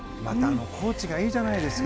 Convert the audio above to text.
コーチがまたいいじゃないですか。